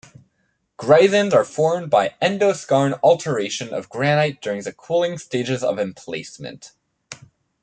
Greisens are formed by endoskarn alteration of granite during the cooling stages of emplacement.